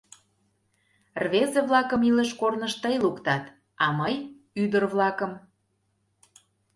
Рвезе-влакым илыш-корныш тый луктат, а мый — ӱдыр-влакым.